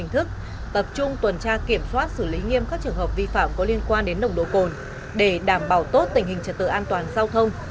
tập trung tuần tra kiểm soát xử lý nghiêm các trường hợp vi phạm có liên quan đến nồng độ cồn để đảm bảo tốt tình hình trật tự an toàn giao thông